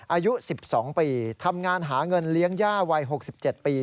อายุ๑๒ปีทำงานหาเงินเลี้ยงย่าวัย๖๗ปี